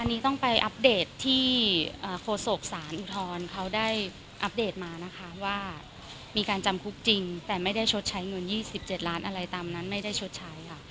อันนี้ต้องไปอัปเดตที่โฆษกศาลอุทธรณ์เขาได้อัปเดตมานะคะว่ามีการจำคุกจริงแต่ไม่ได้ชดใช้เงิน๒๗ล้านอะไรตามนั้นไม่ได้ชดใช้ค่ะ